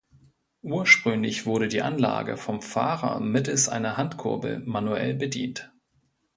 Ursprünglich wurde die Anlage vom Fahrer mittels einer Handkurbel manuell bedient.